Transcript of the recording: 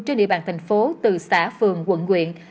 trên địa bàn thành phố từ xã phường quận quyện